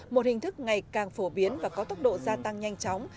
một hình thức ngày càng phổ biến và có tốc độ gia tăng nhanh chóng